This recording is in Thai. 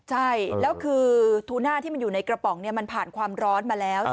ใช่แล้วคือทูน่าที่มันอยู่ในกระป๋องมันผ่านความร้อนมาแล้ว